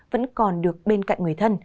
vẫn còn được bên cạnh người thân